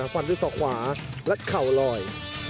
ฟันด้วยศอกขวาและเข่าลอย